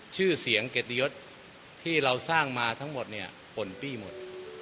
ชื่อเสียงเกียรติยศที่เราสร้างมาทั้งหมดเนี่ยป่นปี้หมด